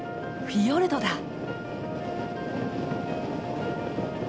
フィヨルドだ。